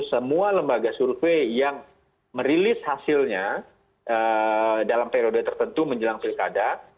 semua lembaga survei yang merilis hasilnya dalam periode tertentu menjelang pilkada